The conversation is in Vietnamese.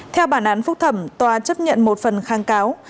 theo bản án phúc thẩm tòa chấp nhận một phần kháng cáo